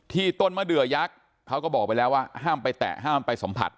ต้นมะเดือยักษ์เขาก็บอกไปแล้วว่าห้ามไปแตะห้ามไปสัมผัส